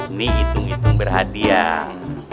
ini hitung hitung berhadiah